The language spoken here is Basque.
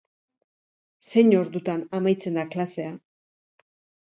Zein ordutan amaitzen da klasea?